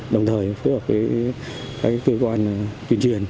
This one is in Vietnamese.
đồng thời phối hợp với các cơ quan tuyên truyền